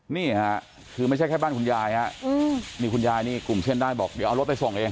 นี่ค่ะคือไม่ใช่แค่บ้านคุณยายฮะนี่คุณยายนี่กลุ่มเส้นได้บอกเดี๋ยวเอารถไปส่งเอง